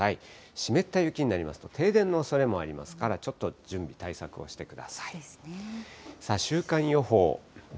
湿った雪になりますと、停電のおそれもありますから、ちょっと準備、対策をしてください。